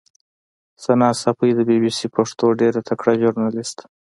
ثنا ساپۍ د بي بي سي پښتو ډېره تکړه ژورنالیسټه